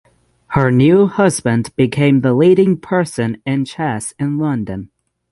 Her new husband became the leading person in chess in London.